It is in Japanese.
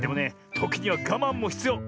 ときにはがまんもひつよう！